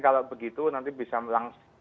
kalau begitu nanti bisa langsung